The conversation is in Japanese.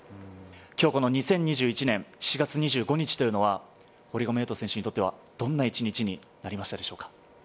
今日、この２０２１年７月２５日というのは堀米雄斗選手にとってはどんな１日になりましたでしょうか。